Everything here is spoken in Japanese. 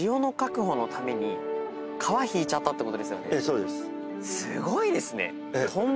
そうです。